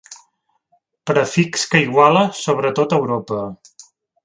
Prefix que iguala, sobretot a Europa.